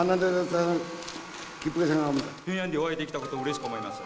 平壌でお会いできたことをうれしく思います。